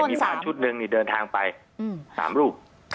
แต่มีพระรูปหนึ่งเนี่ยเดินทางไป๓รูป